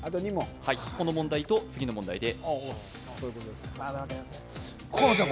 この問題と次の問題で。